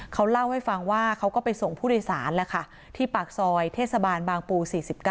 เขาเล่าให้ฟังว่าเขาก็ไปส่งผู้โดยสารแล้วค่ะที่ปากซอยเทศบาลบางปู๔๙